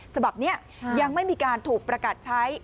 ฉบับนี้ยังไม่มีการถูกประกาศใช้